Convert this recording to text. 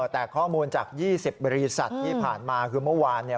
แต่ข้อมูลจาก๒๐บริษัทที่ผ่านมาคือเมื่อวานเนี่ย